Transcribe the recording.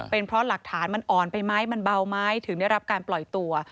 เป็นเพราะหลักฐานมันอ่อนไปไหมมันเบาไหมถึงได้รับการปล่อยตัว